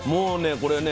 これね